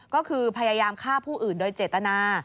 ก็คือพยายามฆ่าผู้อื่นโดยเจตนา